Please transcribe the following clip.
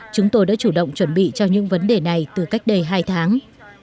chúng tôi đã chủ động chuẩn bị cho những vấn đề này từ cách đây hai tháng